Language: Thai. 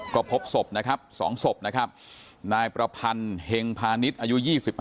ก็พบศพสองศพนายประพันธ์เหงพานิษฐ์อายุ๒๕